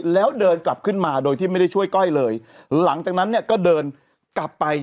แล้วเดินกลับขึ้นมาโดยที่ไม่ได้ช่วยก้อยเลยหลังจากนั้นเนี่ยก็เดินกลับไป